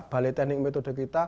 balai teknik metode